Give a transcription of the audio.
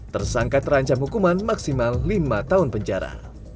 tersangka terancam hukuman maksimal lima tahun penjara